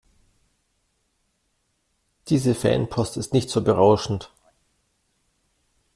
Diese Fanpost ist nicht so berauschend.